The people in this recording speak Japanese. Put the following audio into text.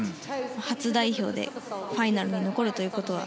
初代表でファイナルに残るということは